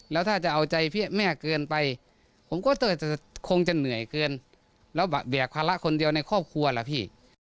แล้วถ้าจะเอาใจพี่แม่เกินไปผมก็คงจะเหนื่อยเกินแล้วแบกภาระคนเดียวในครอบครัวล่ะพี่